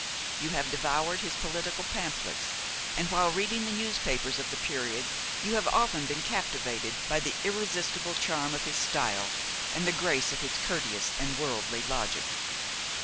You have devoured his political pamphlets, and, while reading the newspapers of the period, you have often been captivated by the irresistible charm of his style and the grace of his courteous and worldly logic.